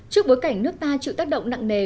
trước bối cảnh nước ta chịu tác động nặng nề